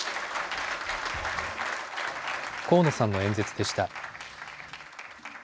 河野さんの演説でした。